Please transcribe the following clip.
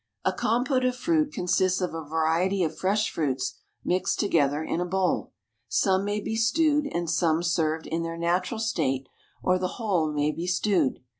A compote of fruit consists of a variety of fresh fruits mixed together in a bowl. Some may be stewed and some served in their natural state, or the whole may be stewed.